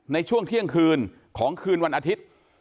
ในช่วงเที่ยงคืนของคืนวันอาทิตย์